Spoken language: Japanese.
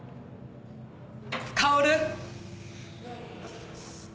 薫！